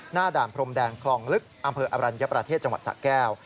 ด่านพรมแดงคลองลึกอำเภออรัญญประเทศจังหวัดสะแก้ว